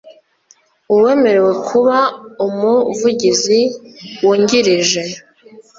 Uwemerewe kuba umuvugizi wungirije